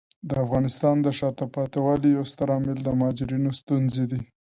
د افغانستان د شاته پاتې والي یو ستر عامل د مهاجرینو ستونزې دي.